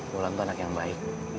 wulan tuh anak yang baik